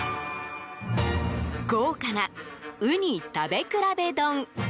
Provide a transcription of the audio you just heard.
豪華なウニ食べ比べ丼。